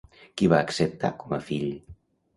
Qui va acceptar com a fill?